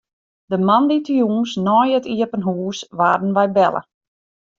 De moandeitejûns nei it iepen hûs waarden wy belle.